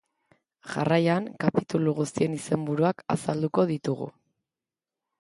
Jarraian, kapitulu guztien izenburuak azalduko ditugu.